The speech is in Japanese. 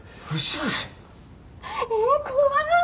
えっ怖い！